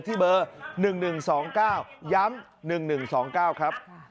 ที่เบอร์๑๑๒๙ย้ำ๑๑๒๙ครับ